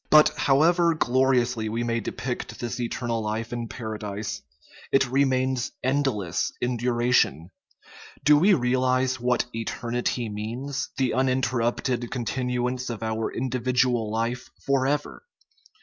But, however gloriously we may depict this eternal life in Paradise, it remains endless in duration. Do we realize what " eternity " means? the uninterrupted continuance of our individual life forever!